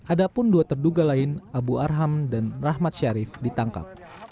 ada pun dua terduga lain abu arham dan rahmat syarif ditangkap